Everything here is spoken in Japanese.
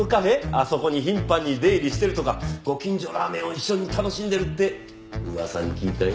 あそこに頻繁に出入りしてるとかご近所ラーメンを一緒に楽しんでるって噂に聞いたよ。